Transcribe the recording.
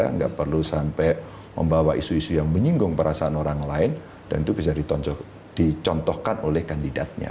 tidak perlu sampai membawa isu isu yang menyinggung perasaan orang lain dan itu bisa dicontohkan oleh kandidatnya